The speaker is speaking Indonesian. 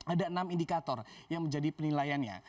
ada enam indikator yang menjadi penilaiannya